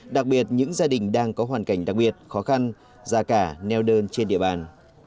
đặc biệt những gia đình đang có hoàn cảnh đặc biệt khó khăn già cả neo đơn trên địa bàn